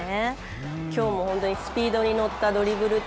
きょうもスピードに乗ったドリブル。